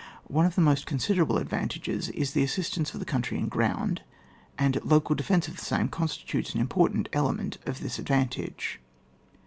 One of its most considerable ad vantages, is the assistance of the country and ground, and local defence of the same constitutes an important element of this advantage.